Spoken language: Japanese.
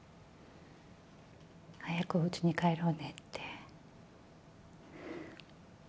早くおうちに帰ろうねって。